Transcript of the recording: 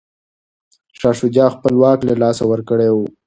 شاه شجاع خپل واک له لاسه ورکړی و.